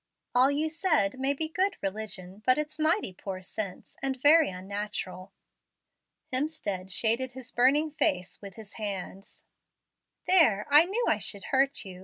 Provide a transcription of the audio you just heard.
All you said may be good religion, but it's mighty poor sense, and very unnatural." Hemstead shaded his burning face with his hands. "There, I knew I should hurt you.